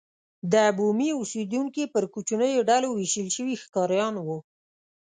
دا بومي اوسېدونکي پر کوچنیو ډلو وېشل شوي ښکاریان وو.